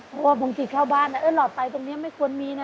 เพราะว่าบางทีเข้าบ้านหลอดไปตรงนี้ไม่ควรมีนะ